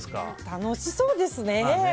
楽しそうですね。